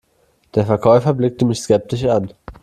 Der Verkäufer blickte mich skeptisch an.